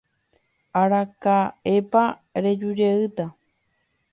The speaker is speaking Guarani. Araka'épa rejujeýta.